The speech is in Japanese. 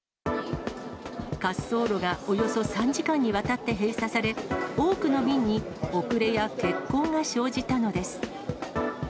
滑走路がおよそ３時間にわたって閉鎖され、多くの便に遅れや欠航が生じたのです。